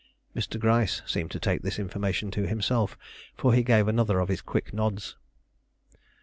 Mr. Gryce seemed to take this information to himself, for he gave another of his quick nods.